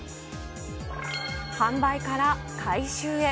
販売から回収へ。